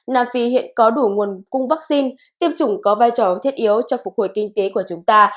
nam phi hiện có đủ nguồn cung vaccine tiêm chủng có vai trò thiết yếu cho phục hồi kinh tế của chúng ta